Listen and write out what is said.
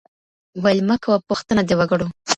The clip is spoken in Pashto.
ويل مه كوه پوښتنه د وگړو